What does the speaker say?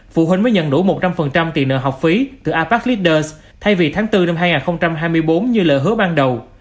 phụ huynh mới nhận đủ một trăm linh tiền nợ học phí từ apec leader thay vì tháng bốn năm hai nghìn hai mươi bốn như lỡ hứa ban đầu